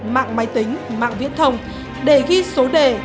mạng máy tính mạng viễn thông để ghi số đề